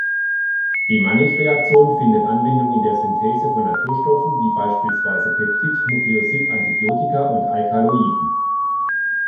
Die Mannich-Reaktion findet Anwendung in der Synthese von Naturstoffen, wie beispielsweise Peptid-Nukleosid-Antibiotika und Alkaloiden.